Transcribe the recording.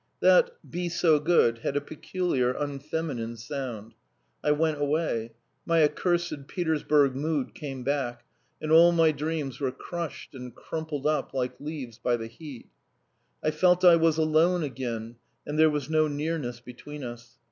That "be so good" had a peculiar, unfeminine sound. I went away. My accursed Petersburg mood came back, and all my dreams were crushed and crumpled up like leaves by the heat. I felt I was alone again and there was no nearness between us.